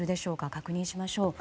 確認しましょう。